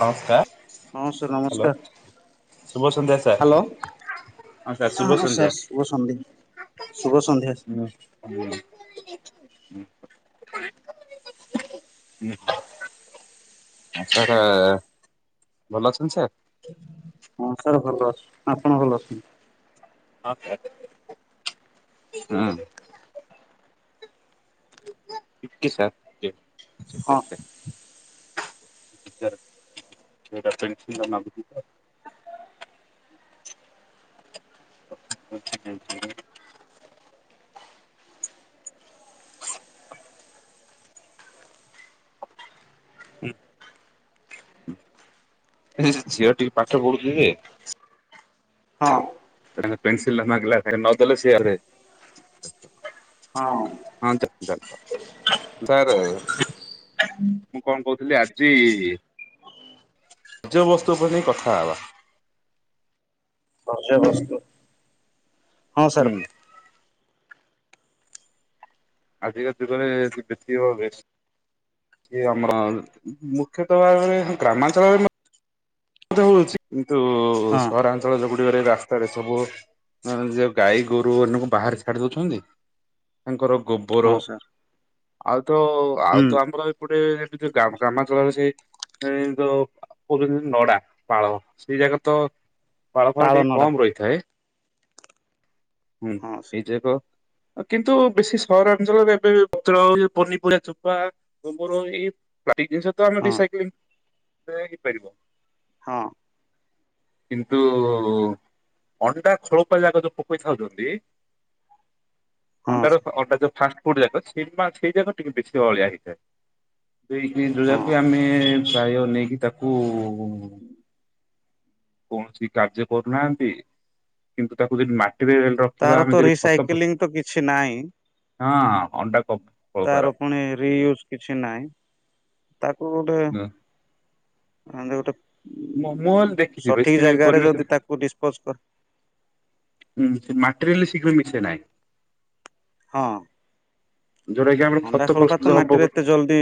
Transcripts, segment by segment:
ନମସ୍କାର ହଁ sir hello ନମସ୍କାର, ଶୁଭ ସନ୍ଧ୍ୟା ସାର୍ ହାଲୋ! ସାର୍ ଶୁଭ ହଁ, ହଁ, ସନ୍ଧ୍ୟା। ସାର୍ ଶୁଭ ସନ୍ଧ୍ୟା, ଶୁଭ ସନ୍ଧ୍ୟା। ହୁଁ, ହୁଁ। ଆଁ ଭଲ ଅଛନ୍ତି ସାର୍? ହଁ, ସାର୍ ଭଲ ଅଛି, ଆପଣ ଭଲ ଅଛନ୍ତି? [unintelligible] ହୁଁ। ଟିକେ ସାର୍ ଟିକେ ହଁ [unintelligible] [unintelligible] [unintelligible] ଏ ସେ ଝିଅଟି ପାଠ ପଢୁଛି ସେ? ହଁ। ତାଙ୍କ ପେନ୍ସିଲିଟା ମାଗିଲା ଏଇନା ନ ଦେଲେ ସିଏ ଆହୁରି [unintelligible] ହଁ, [unintelligible] ମୁଁ କଣ କହୁଥିଲି ଆଜି ବଜ୍ୟବସ୍ତୁ ଉପରେ ନେଇ କଥା ହେବା। ବଜ୍ୟବସ୍ତୁ ହଁ, ହୁଁ ସାର୍। ଆଜିକା ଯୁଗରେ [inaudible] ବେଶ ଇଏ ଆମର ମୁଖ୍ୟତଃ ଭାବରେ ଗ୍ରାମାଞ୍ଚଳରେ ବି ମ ମଧ୍ୟ ହଉଛି କିନ୍ତୁ ହଁ ସହରାଞ୍ଚଳ ଯଉ ଗୁଡିକରେ ରାସ୍ତାରେ ସବୁ ମାନେ ଯଉ ଗାଈ ଗୋରୁ ମାନଙ୍କୁ ବାହାରେ ଛାଡି ଦଉଛନ୍ତି, ତାଙ୍କର ହଁ ଗୋବର ସାର୍ ଆଉ ତ ଆଉ ହୁଁ ତ ଆମର ଏପଟେ ଏମିତି ଗ୍ରାମ ଗ୍ରାମାଞ୍ଚଳରେ ସେ ସେ ଯୋଉ କହୁଛନ୍ତି ନଡା ପାଳ, ସେଇ ଜାଗା ତ ପାଳ ଫାଳ ଟିକେ ପାଳନଡା କମ୍ ରହିଥାଏ। ହୁଁ ହଁ ଏଇ ସାର୍ ଯେ କ କିନ୍ତୁ ବେଶୀ ସହରାଞ୍ଚଳରେ ଏବେ ପତ୍ର ହଉ ପନିପରିବା ଚୋପା ଗୋବର ଏଇ ପ୍ଲାଟିକ ଜିନିଷ ତ ଆମେ ହଁ ରିସାଇକ୍ଲିଙ୍ଗ ହେ ହେଇପାରିବ। ହଁ। କିନ୍ତୁ ଅଣ୍ଡା ଖୋଳପା ଜାକ ଯୋ ପ କେଇଥାଉଛନ୍ତି ହଁ ଅଣ୍ଡାର ସାର୍ ଅଣ୍ଡା ଯଉ ଫା ଖୋଳ ଟା ଯାକ ସେ ସେଇ ଯାକ ଟିକେ ବେଶୀ ଅଳିଆ ହେଇଥାଏ ଦେଇକି ଯୋଉ ହଁ। ଯାକୁ ଆମେ ପ୍ରାୟ ନେଇକି ତାକୁ କୌଣସି କାର୍ଯ୍ୟ କରୁନାହାନ୍ତି କିନ୍ତୁ ତାକୁ ଯଦି ମାଟିରେ ରଖ ତାର ତ ରିସାଇକେଲିଂ ତ କିଛି ନାଇଁ। ହଁ ଅଣ୍ଡା କ ତାର ପୁଣି ରିୟୁଜ କିଛି ନାହିଁ ତାକୁ ଗୋଟେ ଏମ୍ତି ଗୋଟେ ମୁଁ ମୁଁ ହେଲେ ଦେଖିଛି ବେଶୀ ବି ପରିବେଶ କୁ ଡିସପୋଜ୍ କର ହୁଁ ମାଟିରେ ହେଲେ ଶୀଘ୍ର ମିଶେ ନାହିଁ। ହଁ। ଯୋଉଟା କି ଆମର ଅଣ୍ଡା ଖତ ଖୋଳପା ତ ପ୍ରସ୍ତୁତ ହବ ମାଟିରେ ଗୋ ଏତେ ଜଲଦି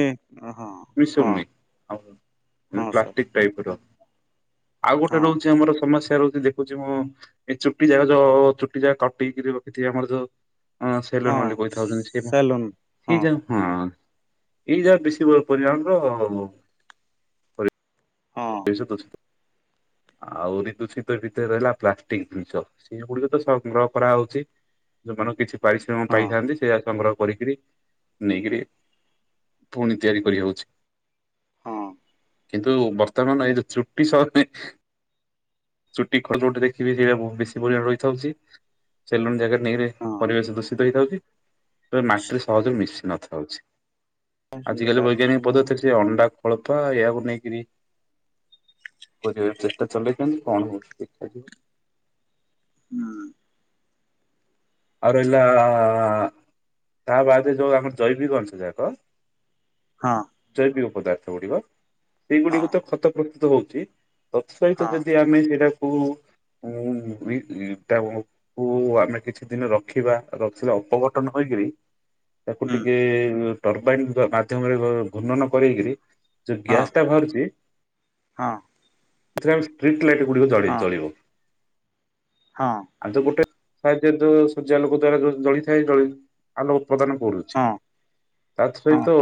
ହଁ ମିଶ [inaudible] ହଁ ହୁଁ ହଁ ସାର୍ ପ୍ଲାଷ୍ଟିକ ଟାଇପ ର ଆଉ ଗୋଟେ ହଁ। ରହୁଛି ଆମର ସମସ୍ୟା ରହୁଛି ଦେଖ ଖୁଚୀ ମୁଁ ଏଇ ଚୁଟି ଯାଗ ଯୋଉ ଚୁଟି ଯା କଟେଇକିରି ରଖିଥିବେ ଆମର ଯୋଉ ହଁ ସେଲୋନ ବୋଲି କହିଥାଉଛନ୍ତି ସେ ମ ସେଲୁନ ହେଇ ହଁ ଯା ହୁଁ ଏଇ ଯା ବେଶୀ ପ ପରିମାଣର ତ ଆଉ ହଁ। ଦୂଷିତ ଅଛି ଆହୁରି ଦୂଷିତ ଭିତରେ ରହିଲା ପ୍ଲାଷ୍ଟିକ ଜିନିଷ ସେ ଗୁଡିକ ତ ସଂଗ୍ରହ କରାହଉଛି ଯୋ ମାନଙ୍କୁ କିଛି ପାରିଶ୍ରମ ହଁ ପାଇଥାନ୍ତି ସେଇଆ ସଂଗ୍ରହ କରିକିରି ନେଇକରି ପୁଣି ତିଆରି କରିହେଉଛି। ହଁ। କିନ୍ତୁ ବର୍ତ୍ତମାନ ଏଇ ଯୋଉ ଚୁଟି ସହ ନି ଚୁଟି [unintelligible] ଗୋଟେ ଦେଖିବେ ସେଇରା ବ ବେଶୀ ପରିମାଣରେ ରହିଥାଉଛି। ସେଲୁନି ଜାଗାରେ ନେଇକିରି ହଁ। ପରିବେଶ ଦୂଷିତ ହେଇଥାଉଛି। ତ ମାଟିରେ ସହଜରେ ମିଶ ନଥାଉଛି ସେମିତି ଆଜିକାଲି ଲାଗୁଛି ବୈଜ୍ଞାନିକ ନା ପଦ୍ଧତିରେ ସେ ଅଣ୍ଡା ଖୋଳପା ଏହାକୁ ନେଇକିରି କରିବା ଇଁ ଚେଷ୍ଟା ଚଲେଇଛନ୍ତି କଣ ହଉଚି ହୁଁ। ଆଉ ରହିଲା ତା ବାଦ ଯୋଉ ଆମର ଜୈବିକ ଅଂଶ ଯାକ ହଁ। ଜୈବିକ ପଦାର୍ଥ ଗୁଡିକ ହଁ ସେଇଗୁଡିକୁ ତ ଖତ ପ୍ରସ୍ତୁତ ହଉଛି ତତ୍ ସହିତ ହଁ ଯଦି ଆ ଆମ ସେଟାକୁ [unintelligible] କୁ ଆମେ କିଛି କିଛି ଦିନ ରଖିବା ରଖିଲେ ଅପଘଟନ ହେଇକିରି ତାକୁ ହୁଁ ଟିକେ ଟର୍ବାଇନ ବ ମାଧ୍ୟମରେ ଘ ଘୁର୍ଣ୍ଣନ କରିକିରି ଯୋଉ ହଁ ଗ୍ୟାସ ଟା ବାହାରୁଚି ହଁ ସେଥିରେ ଆମେ ଷ୍ଟ୍ରିଟ୍ ଲାଇଟ୍ ଗୁଡିକ ଜଳି ହଁ ଜଳିବ। ହଁ। ଆ ତୁ ଗୋଟେ ସେ ଯୋଉ ଶଯ୍ୟା ଲୋକ ଦ୍ଵାରା ଯୋଉ ଜଳିଥାଏ ଜଳି ଆଲୋ ଉତ୍ପାଦନ କରୁଛି ହଁ ହଁ ତାସହିତ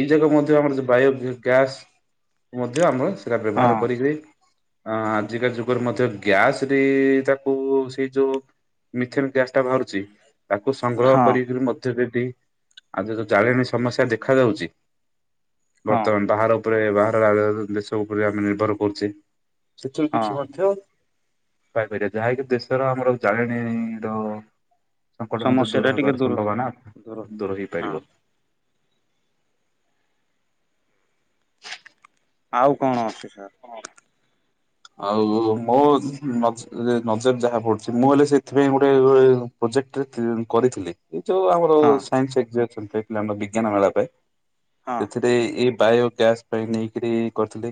ଇ କ ମଧ୍ୟ ଆମର ଯଉ ବାୟ ଗ୍ୟାସ ମଧ୍ୟ ଆମର ସେଟା ବ୍ୟବହାର କରିହୁଏ। ଅ ଆଜିକା ଯୁଗରେ ମଧ୍ୟ ଗ୍ୟାସରେ ତାକୁ ସେଇ ଯୋଉ ମିଥେମ ଗ୍ୟାସ୍ ଟା ବାହାରୁଚି ତାକୁ ହଁ ସଂଗ୍ରହ ହଁ କରିକି ମ ି ଆଉ ଯୋଉ ଜାଳେଣୀ ସମସ୍ୟା ଦେଖାଯାଉଚି ହଁ ବର୍ତ୍ତମାନ ବାହାର ଉପରେ ବାହାର ରାଜ୍ୟ ଦେଶ ଉପରେ ଆମେ ନିର୍ଭର କରୁଚେ। ସେଥିରୁ ହଁ କିଛି ମଧ୍ୟ ପାଇପାରିବା ଯାହାକି ଦେଶର ଆମର ଜାଳେଣି ଦ ସଙ୍କଟ ମଧ୍ୟ ସମସ୍ୟା ଟା ଦୂର ଟିକେ ହେବାର ସମ୍ଭାବନା ଦୂର ହଁ ହେଇପାରିବ। ଆଉ କଣ ଅଛି ସାର୍? ଆଉ ମୋ ମ ନଜର ଯାହା ପଡ଼ୁଚି ମୁଁ ହେଲେ ସେଥିପାଇଁ ଗୋଟେ ପ୍ରୋଜେକ୍ଟ କରିଥିଲି ଏ ଯୋଉ ଆମ ଓ ହଁ ସାଇନ୍ସ ଏଗ୍ଜାନ୍ସଫେକ୍୍ ଆମ ବିଜ୍ଞାନ ମେଳା ପାଇଁ ହଁ ସେଥି ଏଇ ବାୟ ଗ୍ୟାସ୍ ପାଇଁ ନେଇକିରି କରିଥିଲି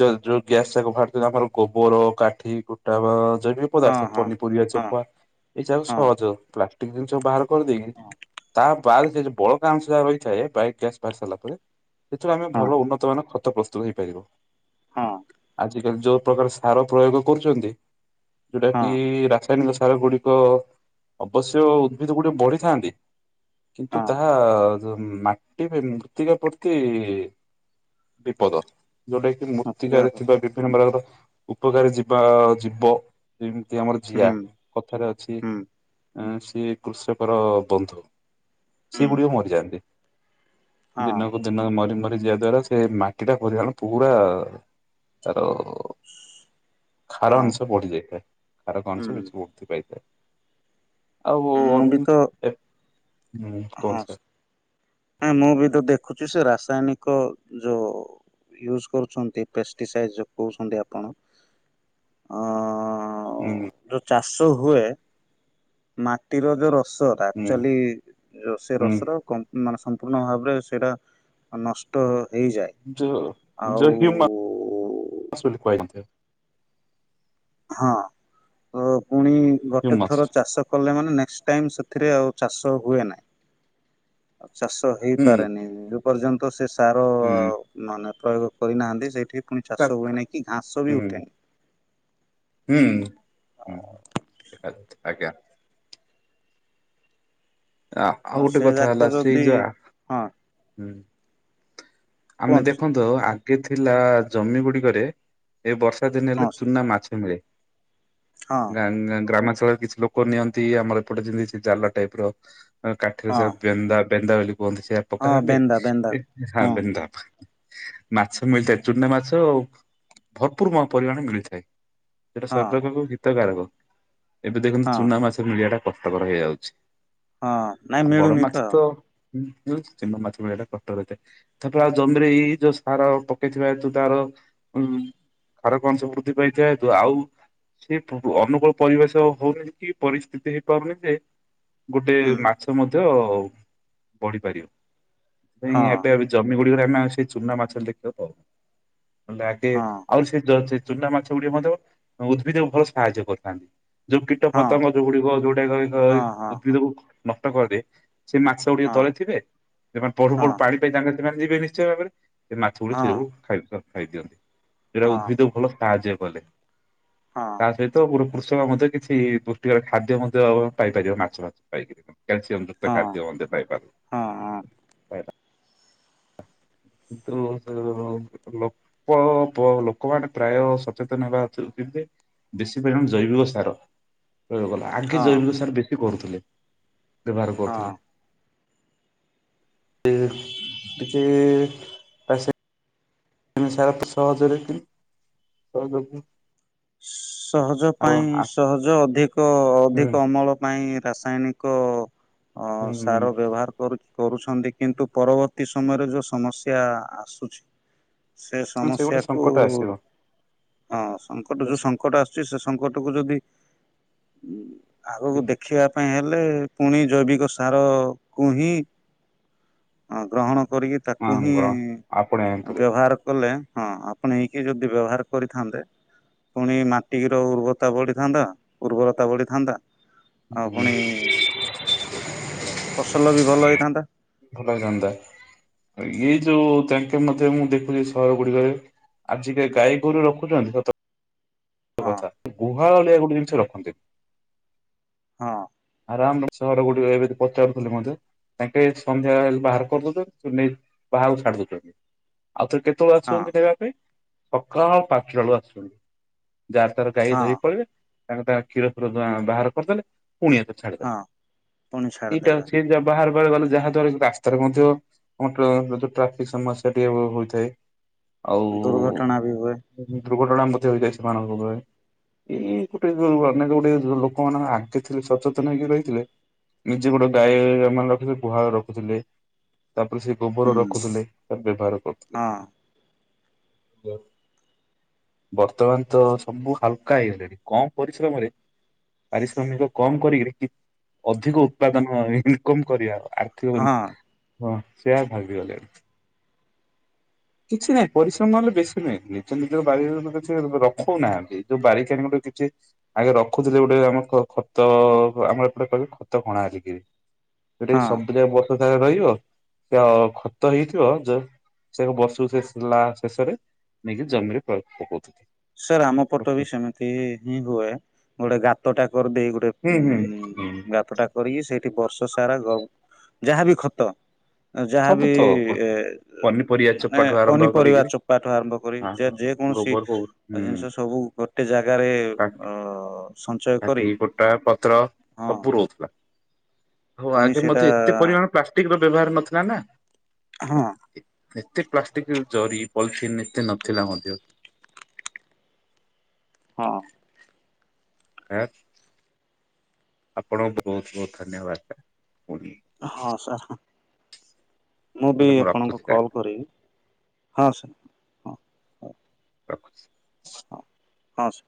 ଯଉ ଯୋଉ ଗ୍ୟାସ୍ ଟାକୁ ବାହାର ଯଉ ଆମର ଗୋବର କାଠି କୁଟା ବା ଜୈବିକ ହଁ ପଦାର୍ଥ ହଁ ପନି ପୁରିବା ହଁ ଚୋପା ଏଇ ଯାକ ହଁ ସହଜ ପ୍ଲାଷ୍ଟିକ ଜିନିଷ ବାହାର କରିଦେଇକି ତା ତାର ସେଯଉ ବଳକା ଅଂଶଯା ରହିଥାଏ ବାୟୀ ଗ୍ୟାସ୍ ବାହାରି ସାରିଲ ପରେ ସେଥିରୁ ଆମେ ହଁ ଭଲ ଉନ୍ନତ ମାନେ ଖତ ପ୍ର ରହିପାରିବ। ହଁ। ଯୋଉ ପ୍ରକାର ସାର ପ୍ରୟୋଗ କରୁଚନ୍ତି ହଁ ଯୋଉଟାକି ରା ରାସାୟନିକ ସାର ଗୁଡ଼ିକ ଅବଶ୍ୟ ଉଦ୍ଭିଦ ଗୁଡ଼ିକ ବଢିଥାନ୍ତି କିନ୍ତୁ, ହଁ ତାହା ମାଟିରେ ମୃତ୍ତିକା ପ୍ରତି ବିପଦ, ଯୋଉଟା କି ମତେ ମୂର୍ତ୍ତିକାରେ ଥିବା ବିଭିନ୍ନ ପ୍ରକାରର ଉପକାରୀ ଯିବା ଯିବ ଯେମି ଯେମିତି ଆମର ଜିଆ, ହୁଁ କଥାରେ ଅଛି ହୁଁ ସିଏ କୃଷକର ବନ୍ଧୁ। ହୁଁ ସେଗୁଡ଼ିକ ମରିଯାଆନ୍ତି ହଁ ଦିନକୁ ଯେହେତୁ ମରି ମରି ଯିବା ଦ୍ଵାରା ସେ ମାଟିଟା ପରିମାଣ ପୁରା ତାର ଖାର ହଁ ଅଂଶ ବଢି ଯାଇଥାଏ, ଖାରକ ହୁଁ ଅଂଶ କିଛି ବୃଦ୍ଧି ପାଇଥାଏ। ଆଉ ମୁଁ ଅନ୍ ବି ତ ଏ ହୁଁ ହଁ କୁହନ୍ତୁ ସାର୍? ହଁ ମୁଁ ବିତ ଦେଖୁଚି, ସେ ରାସାୟନିକ ଯୋଉ ୟୁଜ କରୁଚନ୍ତି ପେଷ୍ଟିସାଇଡ ଯଉ କହୁଚନ୍ତି ଆପଣ ଅ ହୁଁ। ଯୋଉ ଚାଷ ହୁଏ ମାଟିର ଯୋଉ ରସ ଏରା ହୁଁ ଆକ୍ଚୁଆଲି ଯୋଉ ହୁଁ। ସେରସର କଁ ମାନେ ସମ୍ପୂର୍ଣ୍ଣ ଭାବରେ ସେଇଟା ନଷ୍ଟ ହେଇଯାଏ। ଯ ଆଉ ଯ ହ୍ୟମା ବୋଲି କୁହା ଯାଇଥାଏ। ହଁ, ତ ପୁଣି ଗୋଟେ ହ୍ୟୁମାସ୍। ଥର ଚାଷ କଲେ ମାନେ ନେକ୍ସ ଟାଇମ୍ ସେଥିରେ ଆଉ ଚାଷ ହୁଏ ନାହିଁ। ଆଉ ଚାଷ ହୁଁ ହେଇପାରେନି, ଯଉ ପର୍ଯ୍ୟନ୍ତ ସେସାର ହୁଁ ମାନେ ପ୍ରୟୋଗ କରିନାହାନ୍ତି ସେଇଠି ପୁଣି ତା ଚାଷ ହୁଏନାହିଁକି ଘାସବି ହୁଁ ଉଠେନି। ହୁଁ, ହୁଁ ଆଜ୍ଞା। ଆ ଆଉ ତ ଗୋଟେ ସେ କଥା ହେଲା ଯାକ ସେଇ ଯଦି ଯା ହଁ ହୁଁ। ଆମେ କୁହନ୍ତୁ ଦେଖନ୍ତୁ, ଆଗେ ଥିଲା ଜମି ଗୁଡ଼ିକରେ ଏ ବର୍ଷ ବର୍ଷା ଦିନ ହଁ ହେଲେ ଚୁନା ମାଛ ମିଳେ। ହଁ। ଙ୍ଗା ଙ୍ଗା ଗ୍ରାମାଞ୍ଚଳରେ କିଛି ଲୋକ ନିଅନ୍ତି ଆମର ଏପଟେ ଯେମିତି ଜାଲ ଟାଇପ୍ ର ଅ କାଠିରେ ହଁ ସେଇଆ ବେନ୍ଦା ବେନ୍ଦା ବେଲି କୁହନ୍ତି ସେଇଆ ହଁ ପକାଥାନ୍ତି ବେନ୍ଦା ବେନ୍ଦା ହା ହଁ ବେନ୍ଦା। ମାଛ ମିଳିଥାଏ ଚୁନା ମାଛ। ଭରପୁର ମ ପରିମାଣରେ ମିଳିଥାଏ। ଏଟା ହଁ ଶରୀର ପାଖୁ ହିତକାରକ। ଏବେ ଦେଖନ୍ତୁ ହଁ ଚୁନା ମାଛ ମିଳିବାଟା କଷ୍ଟକର ହେଇଯାଉଛି। ହଁ ନାଇଁ ଆଉ ବଡ଼ ମିଳୁନି ମାଛ ତ ଇଁ ମିଳୁଛି ଚୁନା ମାଛ ମିଳିବାଟା କଷ୍ଟକର ଏତେ ଥ ରୁଆ ଜମିରେ ଇଏ ହେଇ ଯୋଉ ସାର ପକେଇଥିବା ତୁ ତାର ଉଁ ଖାରକ ଅଂଶ ବୃଦ୍ଧି ପାଇଯାଏ ହେତୁ ଆଉ ସିଏ ପ ଅନୁକୂଳ ପରିବେଶ ହଉନି କି ପରିସ୍ଥିତି ହେଇପାରୁନି ଯେ ଗୋଟେ ହଁ ମାଛ ମଧ୍ୟ ବଢି଼ପାରିବ। ସେଥିପାଇଁ ଏବେ ଜମି ଗୁଡ଼ିକରେ ଆମେ ଆଉ ସେ ଚୁନା ମାଛ ଦେଖିବାକୁ ପାଉନୁ ନହେଲେ ଆଗେ ହଁ ଆଉ ସେ ଜ ଚେ ଚୁନା ମାଛ ଗୁଡିି଼କ ମଧ୍ୟ ଅଁ ଉଦ୍ଭିଦକୁ ଭଲ ସାହାଯ୍ୟ କରିଥାନ୍ତି। ଯୋଉ କୀଟ ହଁ ପତଙ୍ଗ ଯୋଉଗୁଡି଼କ ଯୋଉଟାକି ଅଇ ଅଇ ହଁ ହଁ ଉଦ୍ଭିଦକୁ ନଷ୍ଟ କରିଦିଏ ସେ ମାଛ ଗୁଡ଼ିକ ହଁ ତଳେ ଥିବେ ଏମା ପଢ଼ୁ ହଁ ପଢ଼ୁ ପାଣି ପାଇ ତାଙ୍କର ସେମାନେ ଯିବେ ନିଶ୍ଚୟ ଭାବରେ। ଏ ମାଛ ହଁ ଗୁଡ଼ି ସେ ଯୋଗୁ ହଁ ଖାଇ ଖ ଖାଇଦିଅନ୍ତି ଯୋଉରା ହଁ ଉଦ୍ଭିଦକୁ ଭଲ ସାହାଯ୍ୟ କଲେ। ହଁ ହଁ ତା ସହିତ ପୁଣି କୃଷକ ମଧ୍ୟ କିଛି ଇ ପୁଷ୍ଟିକର ଖାଦ୍ୟ ମଧ୍ୟ ପାଇପାରିବ ମାଛ ଭାଛ ପାଇକିରି ତ କ୍ୟାଲସିୟମ୍ ଯୁକ୍ତ ଖାଦ୍ୟ ମଧ୍ୟ ପାଇପାରିବ। ହଁ। ତୁ ସେ ଅଳ ଲ ପ ପ ଲୋକମାନେ ପ୍ରାୟ ସଚେତନ ହେବା ଥ୍ରୁ କେମତି ବେଶୀ ପରିମାଣ ଜୈବିକ ସାର ପ୍ରୟୋଗ କଲା। ଆଗେ ହଁ ଜୈବିକ ସାର ବେଶୀ କରୁଥୁଲେ ବ୍ୟବହାର ହଁ କରୁଥୁଲେ। ଏ ଦେଖି ଆମ ସରା ସହଜରେ କି କରଦକୁ ସହଜ ପାଇଁ ସହଜ ଅଧିକ ହୁଁ ଅଧିକ ଅମଳ ନାଇଁ ରାସାୟନିକ ଅ ସାର ବ୍ୟବହାର କରୁଚି। କରୁଛନ୍ତି କିନ୍ତୁ ପରବର୍ତ୍ତୀ ସମୟରେ ଯୋଉ ସମସ୍ୟା ଆସୁଛି ସେ ହୁଁ ଗୋଟେ ସମସ୍ୟାକୁୁ ସଙ୍କଟ ଆସିବ। ହଁ ସଙ୍କଟ ଯୋଉ ସ କଟ ଆସୁଚି ସେ ସଂକଟକୁ ଯଦି ଉଁ ଆଗକୁ ଦେଖେଇବା ପାଇଁ ହେ ଲେ ପୁଣି ଜୈବିକ ସାର କୁ ହିଁ ଅଁ ଗ୍ରହଣ କରିକି ତାକୁ ହଁ ହିଁ ଗ୍ରହଣ ଆପଣେଇବାକୁ ପଡିବ। ବ୍ୟବହାର କଲେ ହଁ ଆପଣେଇକି ଯଦି ବ୍ୟବହାର କରିଥାନ୍ତେ ପୁଣି ମାଟିର ଉର୍ବତା ବଢି଼ଥାନ୍ତା ଉର୍ବରତା ବଢି଼ଥାନ୍ତା। ଆଉ ପୁଣି ଫସଲ ବି ଭଲ ହେଇଥାନ୍ତା। ଭଲ ହେଇଥାନ୍ତା ଏ ଯୋଉ ତାଙ୍କେ ମଧ୍ୟ ମୁଁ ଦେଖୁଚି ସହର ଗୁଡ଼ିକରେ ଆଜିକେ ଗାଈ ଗୋରୁ ରଖୁଚନ୍ତି ସତ ହଁ କଥା ତୁ ଗୁହାଳ ଅଲିଆ ଗୋଟେ ଜିନିଷ ରଖନ୍ତି। ହଁ। ରାମ ସହର ଗୁଡ଼ିକ ଏବେତି ପଚାରୁଥୁଲି ମଧ୍ୟେ। ତାଙ୍କେ ସନ୍ଧ୍ୟା ଏ ବାହାର କରିଦଉଚନ୍ତି ତୁ ନେଇ ବାହାକୁ ଛାଡ଼ି ଦଉଚନ୍ତି। ଆଉ ଥରେ କେତୋଳୁ ହଁ ଆସୁଚନ୍ତି ନେବା ପାଇଁ? ଯାହାର ତାର ଗାଈ ହଁ ଧଇ ପଳେଇବେ ତାଙ୍କ ତା କ୍ଷୀର ଫୀର ଦୁହାଁ ବାହାର କରିଦେଲେ ପୁଣି ଆଉ ଥରେ ଛାଡ଼ି ଦେଲେ ହଁ ପୁଣି ଏଇଟା ଛାଡିଦେବେ ହୋଉଚି କେନ୍ତିଆ ବାହାରୁ ବାହାରୁ ଗଲେ ଯାହା ଦ୍ଵାରା ରାସ୍ତାରେ ମଧ୍ୟ କଂଟ୍ର ର ଯୋଉ ଟ୍ରାଫିକ୍ ସମସ୍ୟା ଟିକେ ହୋ ହୋଇଥାଏ ଆଉ ଦୁର୍ଘଟଣା ବି ହୁଏ ଉଁ ହୁଁ ଦୁର୍ଘଟଣା ମଧ୍ୟ ହେଇଯାଏ ସେମାନଙ୍କ ଓପରେ। ଏଇ ଗୋଟେ ଅନେକ ଗୁଡ଼ିଏ ଲୋ ଲୋକମାନଙ୍କ ଆଗେ ଥିଲେ ସଚେତନ ହେଇକି ରହିଥିଲେ ନିଜେ ଗୋଟେ ଗାଈଆଳରେ ମଲ୍ ରଖିଦେଇ ଗୁହାଳ ରଖୁଥୁଲେ। ତାପରେ ସେ ଗୋବର ହୁଁ ରଖୁଥୁଲେ ତାକୁ ବ୍ୟବହାର କରୁଥୁଲେ ହଁ ଯୋଉ ବର୍ତ୍ତମାନ ତ ସବୁ ହାଲକା ହେଇଗଲେଣି କମ ପରିଶ୍ରମରେ ପାରିଶ୍ରମିକ କମ କରିକିରି କି ଅଧିକ ଉତ୍ପାଦନ ଇନକମ କରିବା ଆର୍ଥିକ ଇନ୍ ହଁ ହଁ ସେ ଆଉ ଭାବିଗଲେ। କିଛି ନାଇ ପରିଶ୍ରମ ହେଲେ ବେଶୀ ନୁହେଁ ନିଜ ନିଜ ବାରି ଘରକୁ କିଛି [unintelligible] ରଖୋଉ ନାହାନ୍ତି ଯୋଉ ବାରି [unintelligible] କିଛି ଆଗେ ରଖୁଥୁଲେ ଗୋଟେ ଆମେ କ ଖତ ଆମର ଏପଟେ କହିବେ ଖତ କଣା ଅଛି କିରି ଏଟା ବି ହଁ ସବୁ ଯାକ ବର୍ଷ ସାରା ରହିବ ତ ଖତ ହେଇଥିବ ଜଷ୍ ସେ କ ବର୍ଷକୁ ଶେଷ ଲା ଶେଷରେ ନେଇକି ଜମିରେ ପରେ ପକୋଉଥୁଲେ। ସାର୍ ଆମ ପଟ ବି ସେମିତି ହିଁ ହୁଏ ଗୋଟେ ଗାତଟା କରଦେଇ ଗୋ ଗୋଟେ ହୁଁ ହୁଁ ହୁଁ ଉଁ ଗାତଟା କରିକି ସେଇଠି ବର୍ଷସାରା ଗ ଯାହାବି ଖତ ଆଉ ସବୁ ଯାହାବି ତ ଏ ପ- ଏ ପନିପରିବା ମାନେ ଚୋପାଠୁ ଆରମ୍ଭ ପନିପରିବା କରିକିରି ଚୋପାଠୁ ଆରମ୍ଭ କରି ହଁ ଯା ହଁ ଯେକୌଣସି ଗୋବର ଫୋବର ହୁଁ ଜିନିଷ ସବୁ ଗୋଟେ ଜାଗାରେ କା ଅ ସଞ୍ଚୟ କାଠି, କରି କୁଟା, ପତ୍ର ହଁ ସବୁ ରହୁଥୁଲା। ହଁ ପୁଣି ଆଗେ ସେଇଟା ମଧ୍ୟ ଏତେ ପରିମାଣ ପ୍ଲାଷ୍ଟିକର ବ୍ୟବହାର ନଥିଲା ନା ଆହଁ। ଏ ଏତେ ପ୍ଲାଷ୍ଟିକ ଜରି ପଲିଥିନ୍ ଏତେ ନଥିଲା ମଧ୍ୟ। ହଁ। ହେଏତ୍ ଆପଣଙ୍କୁ ବୋହୁତ ବୋହୁତ ଧନ୍ୟବାଦ ସ ପୁଣି। ହଁ ସାର୍ ହଁ ମୁଁ ବି ଗୋଟେ ଆପଣଙ୍କୁ ରଖୁଛି ସାର୍ କଲ୍ କରିବି। ହଁ ସାର୍। ହଁ ହଁ ରଖୁଚି। ହଁ ସା